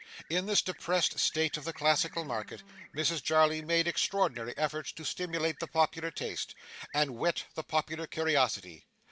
In this depressed state of the classical market, Mrs Jarley made extraordinary efforts to stimulate the popular taste, and whet the popular curiosity.